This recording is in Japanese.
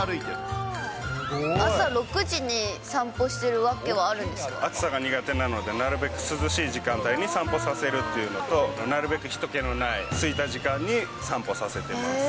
朝６時に散歩してる訳はある暑さが苦手なので、なるべく涼しい時間帯に散歩させるというのと、なるべく人けのないすいた時間に散歩させてます。